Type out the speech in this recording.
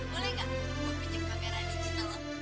boleh gak gue pinjem kamera digital lo